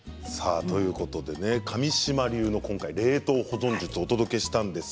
上島流の冷凍保存術をお届けしました。